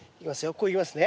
こういきますね。